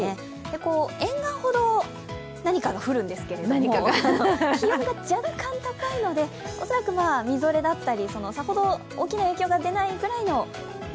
沿岸ほど何かが降るんですけども、気温が若干高いので、恐らく、みぞれだったりさほど大きな影響が出ないくらいの雪